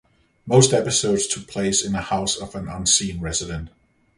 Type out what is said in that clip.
Most episodes took place in a house of an unseen resident.